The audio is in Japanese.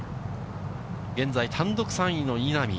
現在、単独３位の稲見。